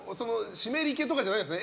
湿り気とかじゃないんですね。